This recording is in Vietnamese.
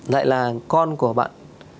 lại là con của bạn